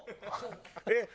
えっ？